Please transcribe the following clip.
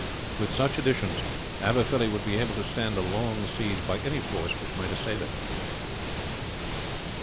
With such additions Aberfilly would be able to stand a long siege by any force which might assail it.